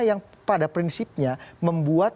yang pada prinsipnya membuat